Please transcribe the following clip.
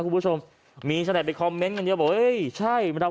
คุณผู้ชมมีให้คอมเม้นท์กันเยอะบอกว่าเฮ้ยใช่มึงเรา